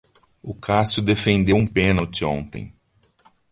O Cássio defendeu um pênalti ontem.